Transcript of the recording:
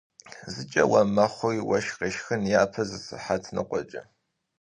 Зыкӏэ уэм мэхъури уэшх къешхын япэ зы сыхьэт ныкъуэкӏэ!